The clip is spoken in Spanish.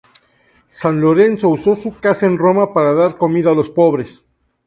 San Lorenzo usó su casa en Roma para dar comida a los pobres.